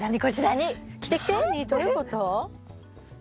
どういうこと？